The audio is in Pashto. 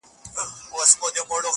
ځوان د پوره سلو سلگيو څه راوروسته.